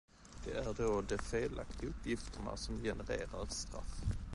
Det är då de felaktiga uppgifterna som genererar ett straff.